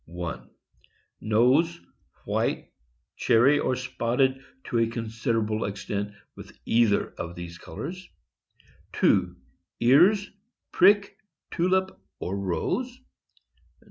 1. — Nose, white, cherry, or spotted to a considerable extent with either of these colors. 2. — Ears, prick, tulip, or rose.